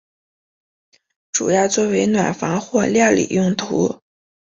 主要作为暖房或料理用途。